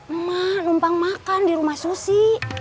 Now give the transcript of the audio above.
emak numpang makan di rumah susi